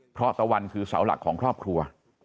เพราะตะวันคือเสาหลักของครอบครัว